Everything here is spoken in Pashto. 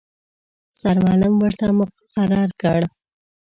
سرمعلم ورته مقرر کړ.